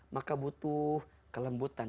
maka butuh kelembutan